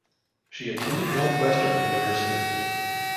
She attended Northwestern University.